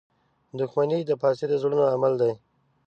• دښمني د فاسدو زړونو عمل دی.